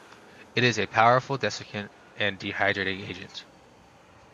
It is a powerful desiccant and dehydrating agent.